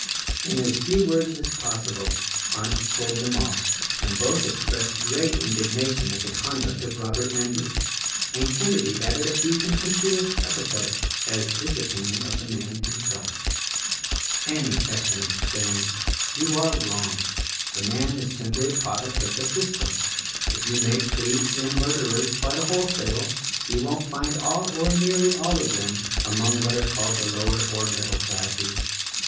In as few words as possible Arndt told them all, and both expressed great indignation at the conduct of Robert Endy, and Kenedy added a few contemptuous epithets as his opinion of the man himself. ioo THE RECORDING ANGEL Annie checked him, saying, "You are wrong. The man is simply the product of the system. If you make thieves and murderers by the wholesale you won't find all or nearly all of them among what are called the lower or middle classes.